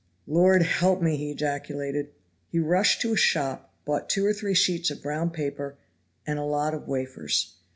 "Lord, help me!" he ejaculated. He rushed to a shop, bought two or three sheets of brown paper and a lot of wafers.